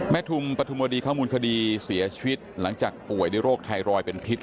ทุมปฐุมวดีข้อมูลคดีเสียชีวิตหลังจากป่วยด้วยโรคไทรอยด์เป็นพิษ